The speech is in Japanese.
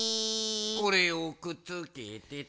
これをくっつけてと。